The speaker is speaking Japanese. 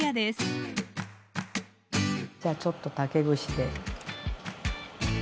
じゃあちょっと竹串で。